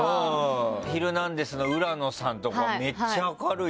『ヒルナンデス！』の浦野さんとかめっちゃ明るいし。